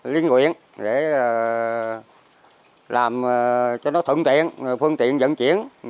liên nguyện để làm cho nó thuận tiện phương tiện dẫn chuyển